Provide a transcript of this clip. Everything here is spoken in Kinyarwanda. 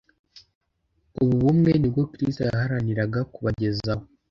Ubu bumwe ni bwo Kristo yaharaniraga kubagezaho.